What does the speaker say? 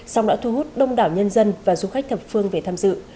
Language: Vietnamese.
song đã thu hút đông đảo nhân dân và du khách thập phương về tham dự